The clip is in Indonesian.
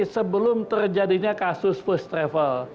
sebelum terjadinya kasus first travel